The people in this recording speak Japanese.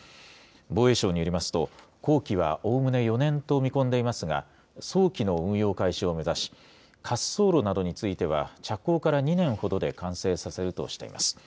防衛省によりますと、工期はおおむね４年と見込んでいますが、早期の運用開始を目指し、滑走路などについては着工から２年ほどで完成させるとしています。